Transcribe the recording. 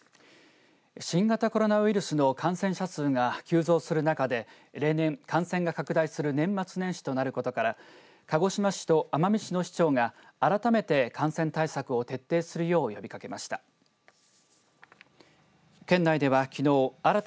新型コロナウイルスの感染者数が急増する中で例年、感染が拡大する年末年始となることから鹿児島市と奄美市の市長が改めて感染対策を徹底するよう呼びかけました。